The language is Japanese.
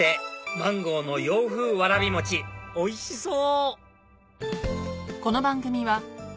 マンゴーの洋風わらび餅おいしそう！